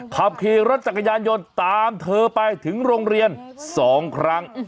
ขับขี่รถจักรยานยนต์ตามเธอไปถึงโรงเรียน๒ครั้ง